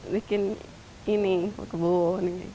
bikin ini kebun